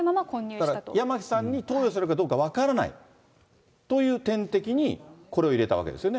だから、八巻さんに投与されるかどうか分からないという点滴に、これを入れたわけですよね。